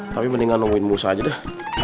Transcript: tapi mendingan nungguin musa aja dah